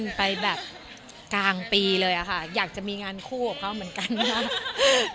ไปแบบกลางปีเลยอะค่ะอยากจะมีงานคู่กับเขาเหมือนกันค่ะ